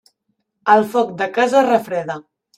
El foc de casa refreda.